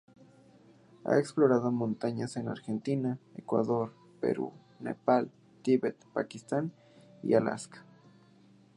Ha explorado montañas en Argentina, Ecuador, Perú, Nepal, Tibet, Pakistán y Alaska.